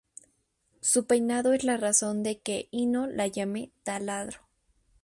Su peinado es la razón de que Hino la llame "taladro".